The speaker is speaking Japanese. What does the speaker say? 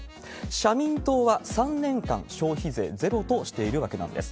社民党は３年間、消費税ゼロとしているわけなんです。